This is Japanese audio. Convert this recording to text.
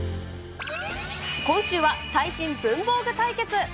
今週は最新文房具対決。